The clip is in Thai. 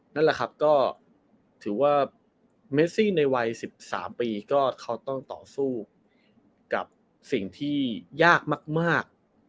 นั่นแหละครับก็ถือว่าเมซี่ในวัย๑๓ปีก็เขาต้องต่อสู้กับสิ่งที่ยากมาก